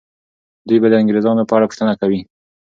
دوی به د انګریزانو په اړه پوښتنه کوي.